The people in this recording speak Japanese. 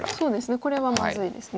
これはまずいですね。